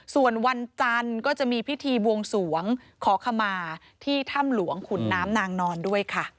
ส่วนวันจันทร์ก็จะมีพิธีบวงสวงขอขมาที่ถ้ำหลวงขุนน้ำนางนอนด้วยค่ะ